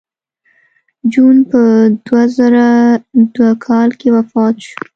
جون په دوه زره دوه کال کې وفات شو